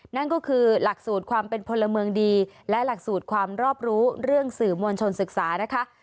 นั่นก็คือหลักสูตรความเป็นพลเมืองดีและหลักสูตรความรอบรู้เรื่องสื่อมวลชนศึกษานะคะ